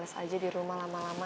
masa aja di rumah lama lama